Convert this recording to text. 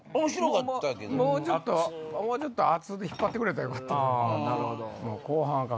もうちょっとあっつ！で引っ張ってくれたらよかった。